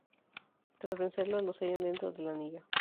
Tras vencerlo lo sellan dentro del anillo.